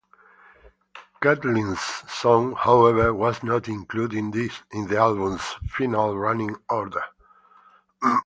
"Kathleen's Song", however, was not included in the album's final running order.